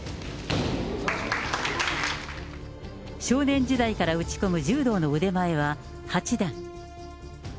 少年時代から打ち込む柔道の腕前は八段。